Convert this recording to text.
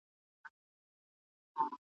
نه یوازي د دوی بله ډېوه مړه ده .